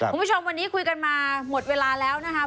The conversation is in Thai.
คุณผู้ชมวันนี้คุยกันมาหมดเวลาแล้วนะครับ